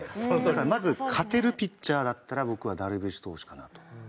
まず勝てるピッチャーだったら僕はダルビッシュ投手かなと。